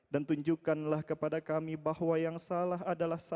dan tunjukkanlah kepada kami bahwa yang salah adalah salah